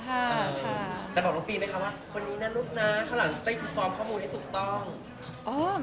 แต่บอกน้องปีไหมคะว่าคนนี้น่ารุกนะเข้าหลังต้องติดสอบข้อมูลให้ถูกต้อง